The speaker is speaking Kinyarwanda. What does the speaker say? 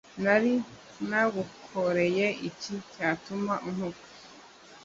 nari nagukoreye iki cyatuma untuka